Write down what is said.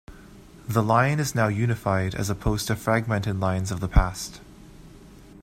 The lion is now unified as opposed to fragmented lions of the past.